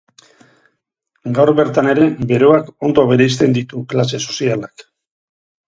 Gaur bertan ere beroak ondo bereizten ditu klase sozialak.